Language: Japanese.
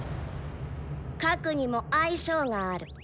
核にも相性がある。